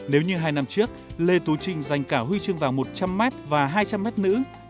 nếu như hai năm trước lê tú trinh giành cả huy chương vàng một trăm linh m và hai trăm linh m nữ